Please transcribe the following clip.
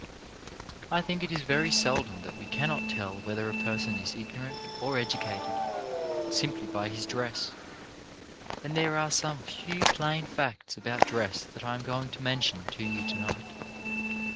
I think it is very seldom that we cannot tell whether a person is ignorant or educated, simply by his dress; and there are some few, plain facts about dress that I am going to mention to you to night.